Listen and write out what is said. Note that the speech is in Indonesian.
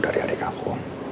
dari adik aku